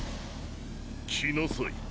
来なさい！